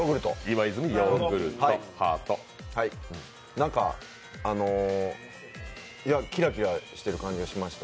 なんかキラキラしている感じがしました。